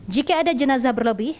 jika ada jenazah berlebih